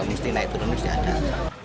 mesti naik turun mesti naik turun